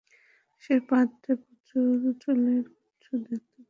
সে পাত্রে প্রচুর চুলের গুচ্ছ দেখতে পায়।